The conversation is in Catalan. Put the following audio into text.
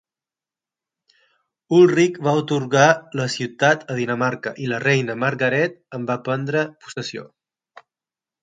Ulrich va atorgar la ciutat a Dinamarca, i la reina Margaret en va prendre possessió.